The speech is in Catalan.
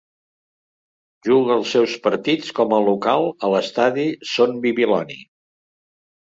Juga els seus partits com a local a l'estadi Son Bibiloni.